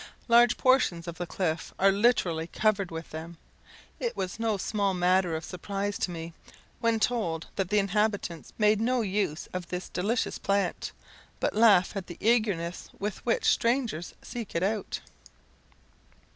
Large portions of the cliff are literally covered with them. It was no small matter of surprise to me when told that the inhabitants made no use of this delicious plant, but laugh at the eagerness with which strangers seek it out.